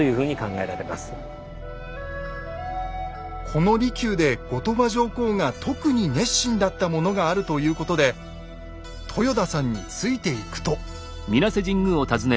この離宮で後鳥羽上皇が特に熱心だったものがあるということで豊田さんについていくと。